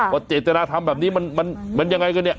เจตนาธรรมแบบนี้มันยังไงกันเนี่ย